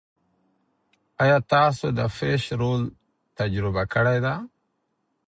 ایا تاسو د فش رول تجربه کړې ده؟